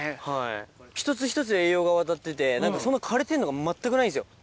一つ一つ栄養が渡ってて枯れてんのが全くないんですよ。